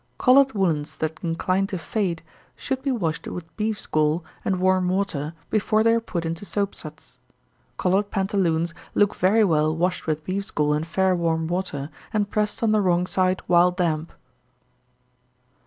Colored woollens that incline to fade, should be washed with beef's gall and warm water before they are put into soap suds. Colored pantaloons look very well washed with beef's gall and fair warm water, and pressed on the wrong side while damp.